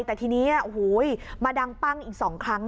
แต่ทีนี้มาดังปั้งอีกสองครั้ง